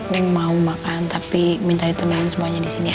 nenek mau makan tapi minta ditemani semuanya di sini ya